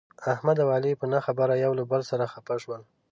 احمد او علي په نه خبره یو له بل سره خپه شول.